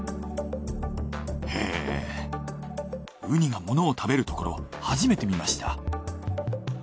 へぇウニがものを食べるところ初めて見ました。